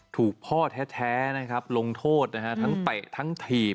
ถูกพ่อแท้นะครับลงโทษนะฮะทั้งเตะทั้งถีบ